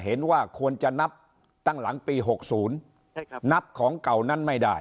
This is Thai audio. เห็นว่าควรจะนับตั้งหลังปีหกศูนย์ใช่ครับนับของเก่านั้นไม่ได้